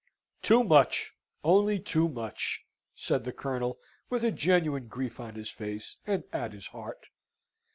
"Too much, only too much," said the Colonel, with a genuine grief on his face, and at his heart.